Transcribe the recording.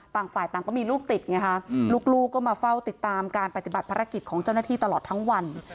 ต่างฝ่ายต่างก็มีลูกติดไงฮะลูกก็มาเฝ้าติดตามการปฏิบัติภารกิจของเจ้าหน้าที่ตลอดทั้งวัน